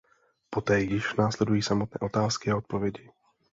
Poté již následují samotné otázky a odpovědi.